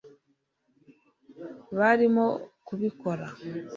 barimo kubikora